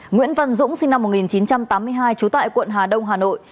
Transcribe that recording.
nguyễn văn dũng sinh năm một nghìn chín trăm tám mươi hai trú tại quận hà đông hà nội